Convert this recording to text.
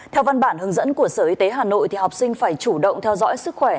theo văn bản hướng dẫn của sở y tế hà nội học sinh phải chủ động theo dõi sức khỏe